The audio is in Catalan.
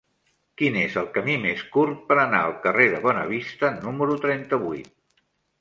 Quin és el camí més curt per anar al carrer de Bonavista número trenta-vuit?